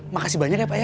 makasih banyak ya pak ya